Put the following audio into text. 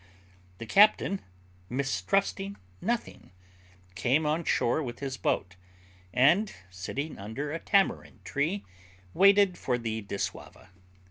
The captain, mistrusting nothing, came on shore with his boat, and, sitting under a tamarind tree, waited for the dissauva.